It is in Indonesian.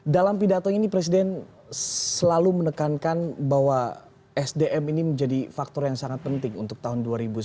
dalam pidato ini presiden selalu menekankan bahwa sdm ini menjadi faktor yang sangat penting untuk tahun dua ribu sembilan belas